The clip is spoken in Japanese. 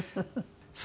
そう。